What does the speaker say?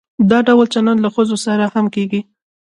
دا ډول چلند له ښځو سره هم کیږي.